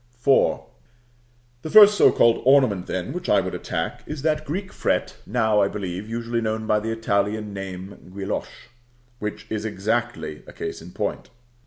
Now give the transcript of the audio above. IV. The first so called ornament, then, which I would attack is that Greek fret, now, I believe, usually known by the Italian name Guilloche, which is exactly a case in point.